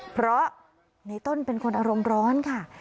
เพราะในต้นเป็นคนอารมณ์ร้อนค่ะ